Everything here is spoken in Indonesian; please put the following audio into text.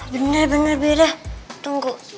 bener bener bira tunggu hmm nanti dulu